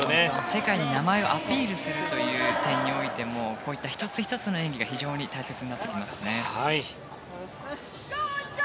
世界に名前をアピールする点においても１つ１つの演技が非常に大事になってきますね。